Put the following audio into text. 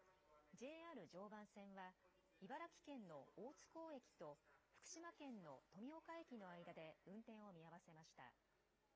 ＪＲ常磐線は茨城県の大津港駅と福島県の富岡駅の間で運転を見合わせました。